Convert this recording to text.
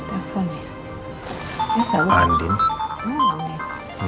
aku masih ngerasa banget ada sesuatu yang disembunyikan sama elsa